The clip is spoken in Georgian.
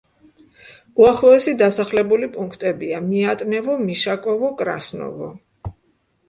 უახლოესი დასახლებული პუნქტებია: მიატნევო, მიშაკოვო, კრასნოვო.